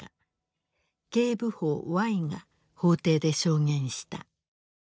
警部補Ｙが法廷で証言した。